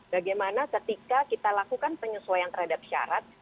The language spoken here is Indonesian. bagaimana ketika kita lakukan penyesuaian terhadap syarat